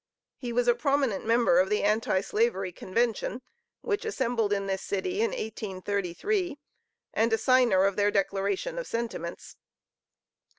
He was a prominent member of the Anti slavery Convention, which assembled in this city in 1833, and a signer of their declaration of sentiments.